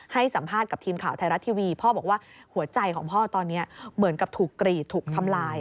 ให้สัมภาษณ์กับทีมข่าวไทยรัฐทีวีพ่อบอกว่าหัวใจของพ่อตอนนี้เหมือนกับถูกกรีดถูกทำลาย